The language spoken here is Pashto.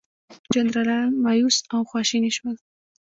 جنرالان مأیوس او خواشیني شول.